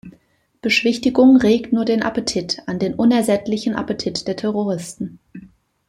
Beschwichtigung regt nur den Appetit an den unersättlichen Appetit der Terroristen.